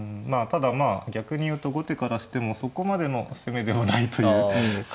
ただまあ逆に言うと後手からしてもそこまでの攻めでもないということではあるんだけども。